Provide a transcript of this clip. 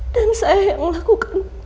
dan saya yang melakukan